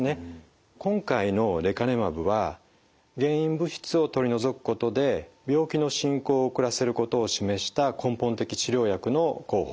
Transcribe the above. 今回のレカネマブは原因物質を取り除くことで病気の進行を遅らせることを示した根本的治療薬の候補。